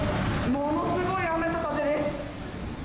ものすごい雨と風です。